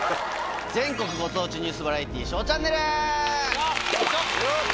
全国ご当地ニュースバラエティー『ＳＨＯＷチャンネル』！